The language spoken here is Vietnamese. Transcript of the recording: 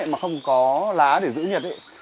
mà không có lá để giữ nhiệt ấy